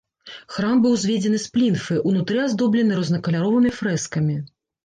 Храм быў узведзены з плінфы, унутры аздоблены рознакаляровымі фрэскамі.